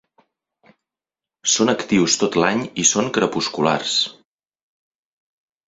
Són actius tot l'any i són crepusculars.